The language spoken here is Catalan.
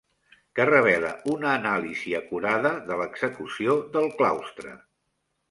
Què revela una anàlisi acurada de l'execució del claustre?